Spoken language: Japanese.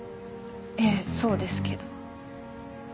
ええそうですけど。